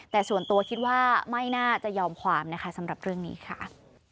แต่ส่วนตัวคิดว่าไม่น่าจะยอมความนะคะสำหรับเรื่องนี้ค่ะ